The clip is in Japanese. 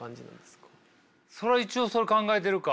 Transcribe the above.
そら一応それ考えてるか。